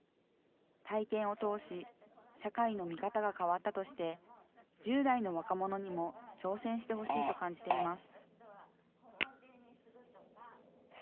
体験を通し、社会の見方が変わったとして、１０代の若者にも挑戦してほしいと感じています。